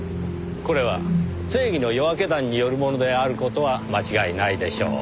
これは正義の夜明け団によるものである事は間違いないでしょう。